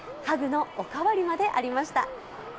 ハグのおかわりまでありました。